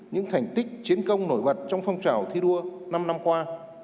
những thành tích chiến công nổi bật trong phong trào thi đua năm năm qua